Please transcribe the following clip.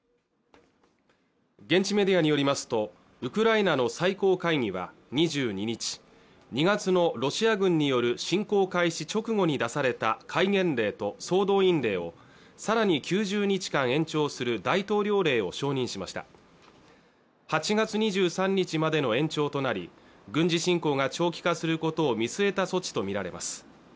現地メディアによりますとウクライナの最高会議は２２日２月のロシア軍による侵攻開始直後に出された戒厳令と総動員令をさらに９０日間延長する大統領令を承認しました８月２３日までの延長となり軍事侵攻が長期化することを見据えた措置と見られます